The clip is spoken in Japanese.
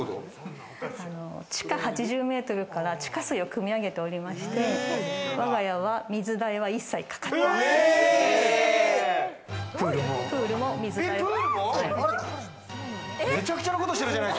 地下８０ｍから地下水をくみ上げておりまして、我が家は水代は一切かかっていない。